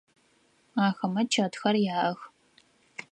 Ахэмэ чэтхэр яӏэх.